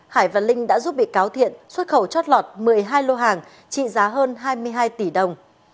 hải và linh đã giúp bị cáo thiện xuất khẩu trót lọt một mươi hai lô hàng trị giá hơn hai mươi hai tỷ đồng